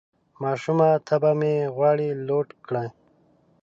ماشومه طبعه مې غواړي لوټ کړي